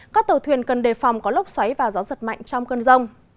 các tàu thuyền cần đề phòng có lốc xoáy và gió giật mạnh trong cơn rông